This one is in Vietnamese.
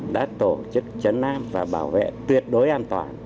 đã tổ chức chấn nam và bảo vệ tuyệt đối an toàn